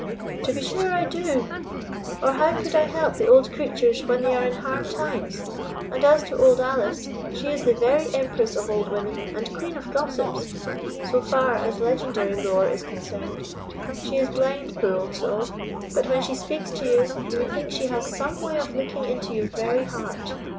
"To be sure I do, or how could I help the old creatures when they are in hard times? And as to Old Alice, she is the very empress of old women and queen of gossips, so far as legendary lore is concerned. She is blind, poor old soul, but when she speaks to you, you would think she has some way of looking into your very heart.